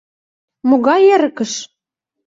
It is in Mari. — Могай эрыкыш?